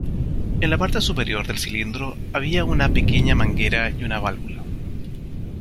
En la parte superior del cilindro había una pequeña manguera y una válvula.